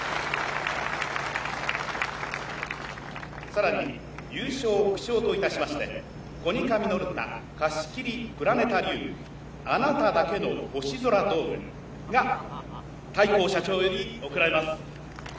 さらに優勝副賞といたしましてコニカミノルタ貸し切りプラネタリウム、「あなただけの星空ドーム」が大幸社長より贈られます。